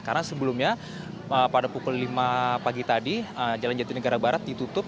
karena sebelumnya pada pukul lima pagi tadi jalan jatinegara barat ditutup